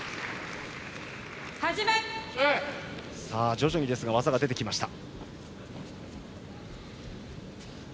徐々にですが技が出てきました。